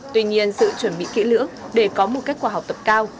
tuy nhiên sự chuẩn bị kỹ lưỡng để có một kết quả học tập cao